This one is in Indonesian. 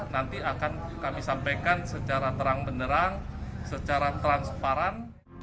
nanti akan kami sampaikan secara terang benerang secara transparan